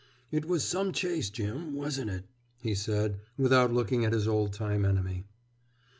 "It was some chase, Jim, wasn't it?" he said, without looking at his old time enemy.